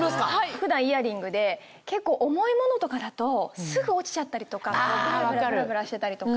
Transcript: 普段イヤリングで結構重いものとかだとすぐ落ちちゃったりとかブラブラブラブラしてたりとか。